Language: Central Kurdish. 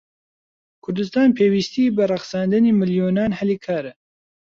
کوردستان پێویستیی بە ڕەخساندنی ملیۆنان هەلی کارە.